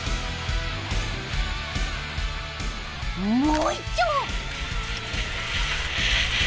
もう一丁！